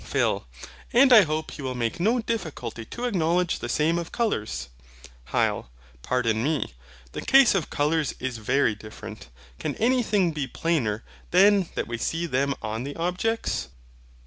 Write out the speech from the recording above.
PHIL. And I hope you will make no difficulty to acknowledge the same of COLOURS. HYL. Pardon me: the case of colours is very different. Can anything be plainer than that we see them on the objects?